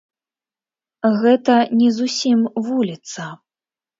Гэта не зусім вуліца.